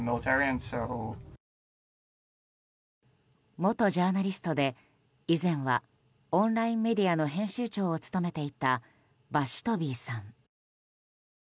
元ジャーナリストで以前はオンラインメディアの編集長を務めていたバシトビーさん。